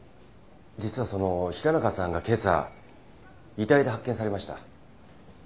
実はその平中さんが今朝遺体で発見されました。